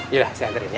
yaudah saya hantarin ya